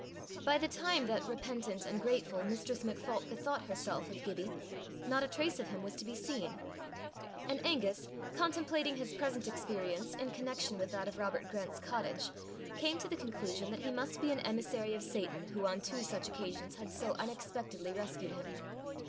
By the time that, repentant and grateful, Mistress MacPholp bethought herself of Gibbie, not a trace of him was to be seen; and Angus, contemplating his present experience in connection with that of Robert Grant's cottage, came to the conclusion that he must be an emissary of Satan who on two such occasions had so unexpectedly rescued him.